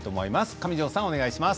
上條さん、お願いします。